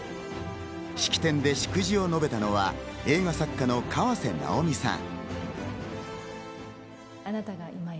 式典で祝辞を述べたのは映画作家の河瀬直美さん。